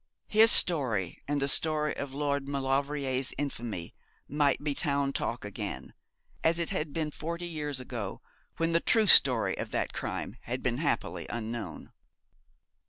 His story and the story of Lord Maulevrier's infamy might be town talk again; as it had been forty years ago, when the true story of that crime had been happily unknown.